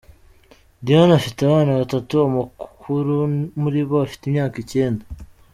Diane afite abana batatu, umukuru muri bo afite imyaka icyenda.